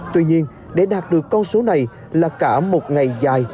tuy nhiên để đạt được con số này là cả một ngày dài